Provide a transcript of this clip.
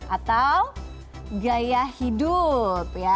atau gaya hidup